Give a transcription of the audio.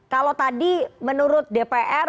kalau tadi menurut dpr